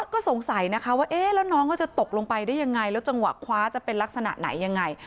ก็สงสัยว่าน้องจะตกลงไปได้ยังไงแล้วจังหวะขวาจะเป็นลักษณะไหนยังไง